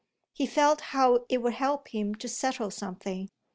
He felt how it would help him to settle something.